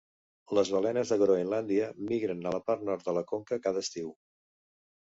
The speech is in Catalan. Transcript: Les balenes de Groenlàndia migren a la part nord de la conca cada estiu.